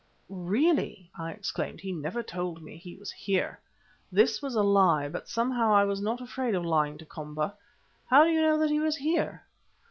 "Really!" I exclaimed, "he never told me he was here." (This was a lie, but somehow I was not afraid of lying to Komba.) "How do you know that he was here?"